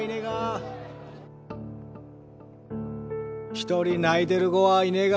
一人泣いてる子はいねが。